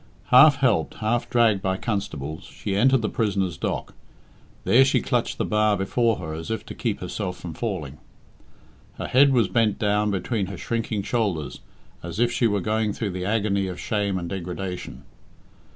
Half helped, half dragged by constables, she entered the prisoner's dock. There she clutched the bar before her as if to keep herself from falling. Her head was bent down between her shrinking shoulders as if she were going through the agony of shame and degradation.